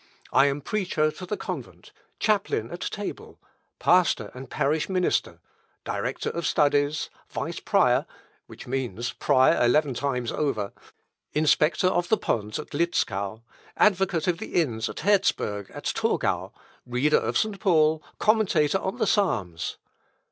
I am preacher to the convent, chaplain at table, pastor and parish minister, director of studies, vice prior, which means prior eleven times over, inspector of the ponds of Litzkau, advocate of the inns of Herzberg at Torgau, reader of St. Paul, commentator on the Psalms....